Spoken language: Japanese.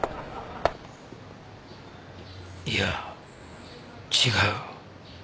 いや違う